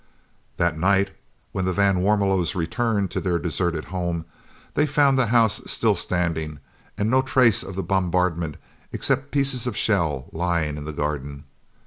That night, when the van Warmelos returned to their deserted home, they found the house still standing and no trace of the bombardment except pieces of shell lying in the garden.